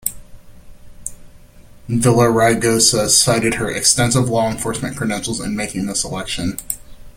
Villaraigosa cited her "extensive law enforcement credentials" in making the selection.